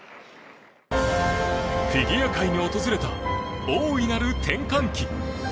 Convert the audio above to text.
フィギュア界に訪れた大いなる転換期。